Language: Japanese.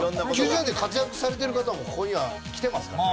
９０年代に活躍されてる方もここには来てますから。